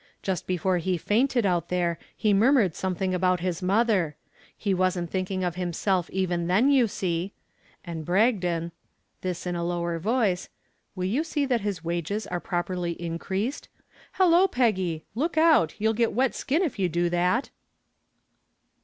Just before he fainted out there he murmured something about his mother. He wasn't thinking of himself even then, you see. And Bragdon" this in a lower voice "will you see that his wages are properly increased? Hello, Peggy! Look out, you'll get wet to the skin if you do that."